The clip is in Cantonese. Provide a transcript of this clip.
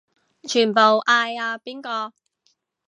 全部嗌阿邊個